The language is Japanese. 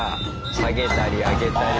下げたり上げたり。